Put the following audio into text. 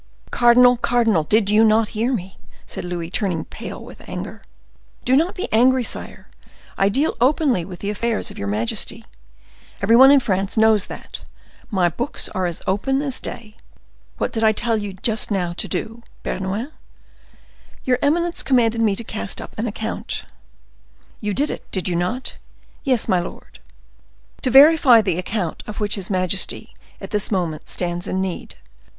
"Cardinal, cardinal! did you not hear me?" said Louis, turning pale with anger. "Do not be angry, sire; I deal openly with the affairs of your majesty. Every one in France knows that; my books are as open as day. What did I tell you to do just now, Bernouin?" "Your eminence commanded me to cast up an account." "You did it, did you not?" "Yes, my lord." "To verify the amount of which his majesty, at this moment, stands in need.